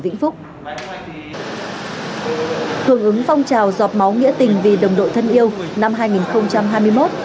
vĩnh phúc thường ứng phong trào dọt máu nghĩa tình vì đồng đội thân yêu năm hai nghìn hai mươi một